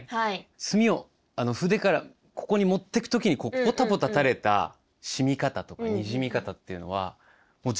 墨を筆からここに持ってく時にポタポタたれた染み方とかにじみ方っていうのは自分の意志を超えている。